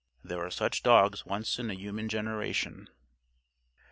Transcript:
There are such dogs once in a human generation.